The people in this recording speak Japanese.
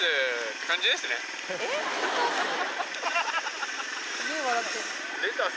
えっ？